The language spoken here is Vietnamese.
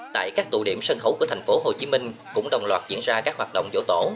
tại các tụ điểm sân khấu của thành phố hồ chí minh cũng đồng loạt diễn ra các hoạt động vỗ tổ